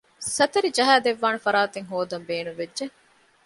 ސަތަރި ޖަހައި ދެއްވާނެ ފަރާތެއް ހޯދަން ބޭނުންވެއްޖެ